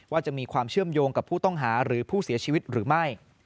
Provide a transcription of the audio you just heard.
จะมีความเชื่อมโยงกับผู้ต้องหาหรือผู้เสียชีวิตหรือไม่